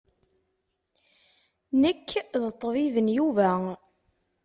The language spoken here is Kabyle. Nekk d ṭṭbib n Yuba.